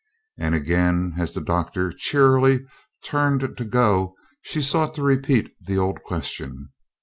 And again, as the doctor cheerily turned to go, she sought to repeat the old question.